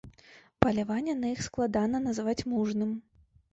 Паляванне на іх складана назваць мужным.